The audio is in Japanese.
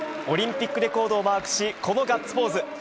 オリンピックレコードをマークし、このガッツポーズ。